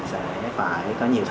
sẽ phải có nhiều thứ